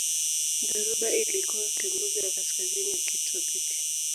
Dhoruba ilikuwa kimbunga ya kaskazini ya kitropiki